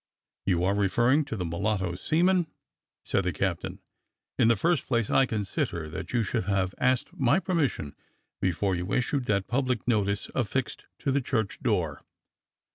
" You are referring to the mulatto seaman," said the captain. "In the first place, I consider that you should have asked my permission before you issued that public notice affixed to the church door.